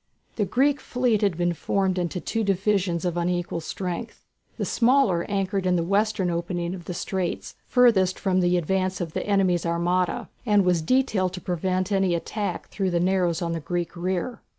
The Greek fleet had been formed in two divisions of unequal strength. The smaller anchored in the western opening of the straits, furthest from the advance of the enemy's armada, and was detailed to prevent any attack through the narrows on the Greek rear.